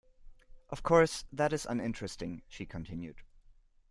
Of course, that is uninteresting, she continued.